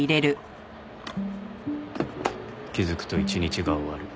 気づくと一日が終わる。